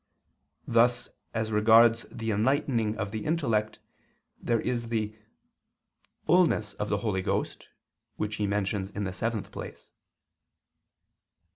Thus as regards the enlightening of the intellect there is the "fullness of the Holy Ghost" which he mentions in the seventh place.